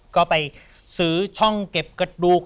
ก็ไปซื้อช่องเก็บกระดูก